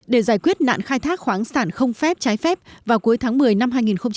để giải quyết nạn khai thác khoáng sản không phép trái phép vào cuối tháng một mươi năm hai nghìn một mươi chín